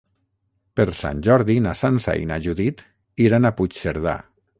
Per Sant Jordi na Sança i na Judit iran a Puigcerdà.